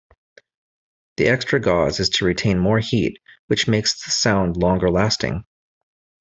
The extra gauze is to retain more heat, which makes the sound longer lasting.